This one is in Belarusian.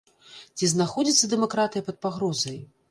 Ці знаходзіцца дэмакратыя пад пагрозай?